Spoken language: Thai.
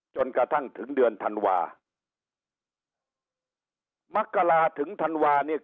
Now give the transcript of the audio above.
จนกระทั่งถึงเดือนธันวามักกราถึงธันวาเนี่ย